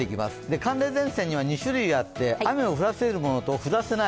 寒冷前線には２種類あって、雨を降らせるものと降らせない